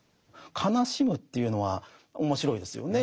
悲しむというのは面白いですよね。